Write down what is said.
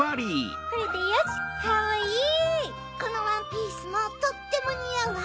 このワンピースもとってもにあうわ。